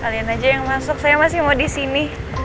kalian aja yang masuk saya masih mau disini